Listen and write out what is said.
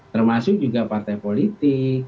termasuk juga partai politik